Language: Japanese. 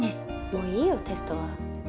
もういいよテストは。